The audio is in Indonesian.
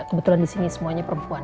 kebetulan di sini semuanya perempuan